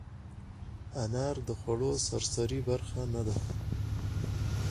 انار د خوړو سرسري برخه نه ده.